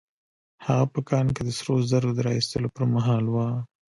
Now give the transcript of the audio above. هغه په کان کې د سرو زرو د را ايستلو پر مهال وه.